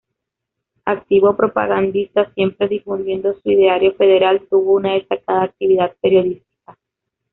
Activo propagandista, siempre difundiendo su ideario federal, tuvo una destacada actividad periodística.